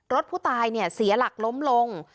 รถผู้ตายเสียหลักล้มลง